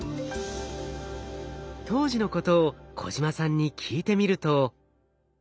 当時のことを小島さんに聞いてみると。